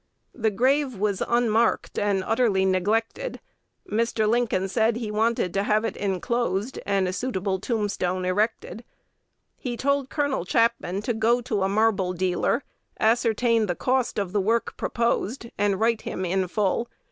The grave was unmarked and utterly neglected. Mr. Lincoln said he wanted to "have it enclosed, and a suitable tombstone erected." He told Col. Chapman to go to a "marble dealer," ascertain the cost of the work proposed, and write him in full.